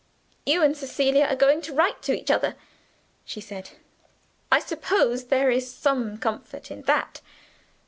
"You and Cecilia are going to write to each other," she said. "I suppose there is some comfort in that.